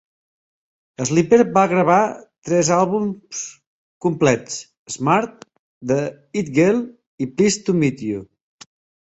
Sleeper va gravar tres àlbums complets: "Smart", "The It Girl", i "Pleased to Meet You".